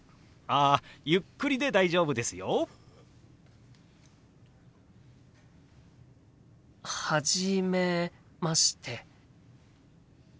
あゆっくりで大丈夫ですよ。初めまして。